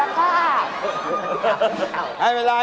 โอ้โฮฮรรษค่า